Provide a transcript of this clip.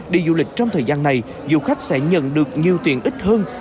đi du lịch trong thời gian này du khách sẽ nhận được nhiều tiền ít hơn